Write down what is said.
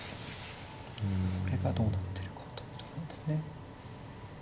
これがどうなってるかというとこなんですね。